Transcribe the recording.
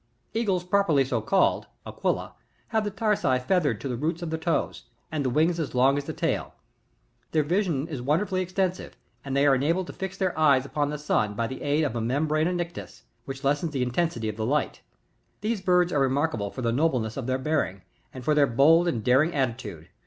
Eagles properlt so called, — ^qnila, — have the tarsi feathered to the roots of the toes, and the wings as long as the tail. {Plate S,Jig 1.) [Their vision is wonderfully extensive,' and they are enabled to fix their eyes upon the sun, by the aid of the membrana nictitam^ which lessens the intensity of the light] 41. These birds are remarkable for the nobleness of their bearing, and for their bold and daring attitude.